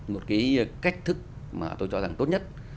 một cái cách thức mà tôi cho rằng tốt nhất